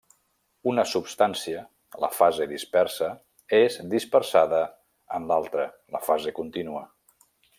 Una substància, la fase dispersa, és dispersada en l'altra, la fase contínua.